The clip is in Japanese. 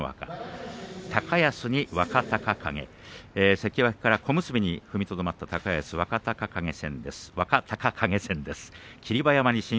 関脇から小結に踏みとどまった高安と若隆景戦。